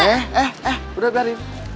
eh eh eh udah biarin